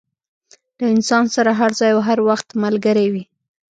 له انسان سره هر ځای او هر وخت ملګری وي.